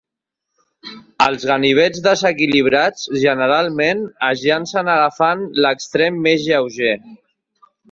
Els ganivets desequilibrats generalment es llancen agafant l'extrem més lleuger.